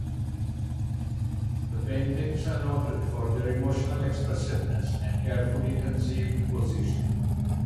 The paintings are noted for their emotional expressiveness and carefully conceived positioning.